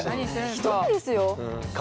ひどいですよ。